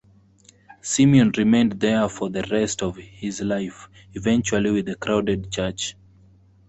Simeon remained there for the rest of his life, eventually with a crowded church.